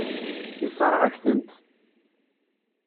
Yessṛeɣ-ak-tent.